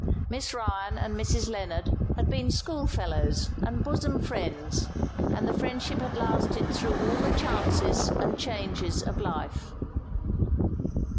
Miss Ryan and Mrs. Lennard had been school fellows and bosom friends, and the friendship had lasted through all the chances and changes of life.